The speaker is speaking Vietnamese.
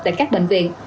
tại các bệnh viện